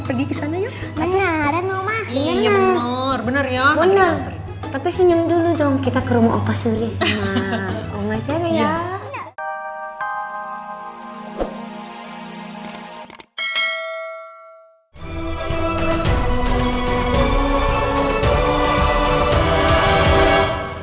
lagi kesana ya bener bener ya tapi senyum dulu dong kita ke rumah opah surya sama omah